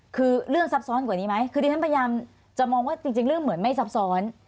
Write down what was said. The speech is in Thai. คือเรื่องซับซ้อนกว่านี้ไหมคือดิฉันพยายามจะมองว่าจริงเรื่องเหมือนไม่ซับซ้อน